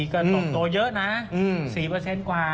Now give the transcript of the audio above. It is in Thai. ก็ตกโตเยอะนะ๔กว่า